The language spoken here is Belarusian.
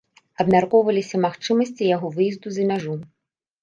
Абмяркоўваліся магчымасці яго выезду за мяжу.